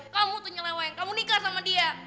kamu tuh nyelawayang kamu nikah sama dia